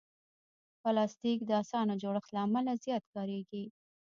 پلاستيک د اسانه جوړښت له امله زیات کارېږي.